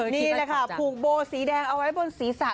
นี่แหละค่ะผูกโบสีแดงเอาไว้บนศีรษะ